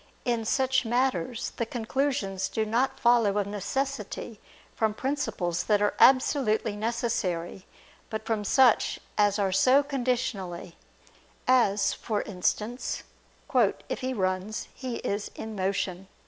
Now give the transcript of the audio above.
In such matters the conclusions do not follow of necessity from principles that are absolutely necessary, but from such as are so conditionally; as, for instance, "If he runs, he is in motion."